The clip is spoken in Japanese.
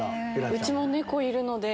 うちも猫いるので。